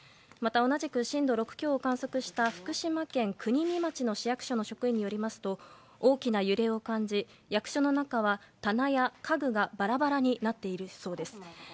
また、同じく震度６強を観測した福島県国見町の市役所の職員によりますと大きな揺れを感じ役所の中の棚や家具がバラバラになっているそうです。